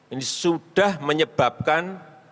ini sudah menyebabkan